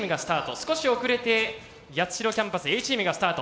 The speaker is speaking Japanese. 少し遅れて八代キャンパスＡチームがスタート。